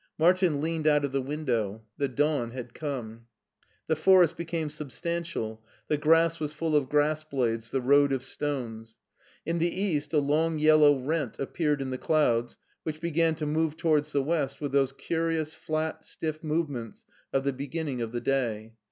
Martin leaned out of the window. The dawn had come. The forest became substantial, the grass was full of grass blades, the road of stones. In the east a long yellow rent appeared in the clouds, which began to move towards the west with those curious flat, stiff move ments of the beginning of the day.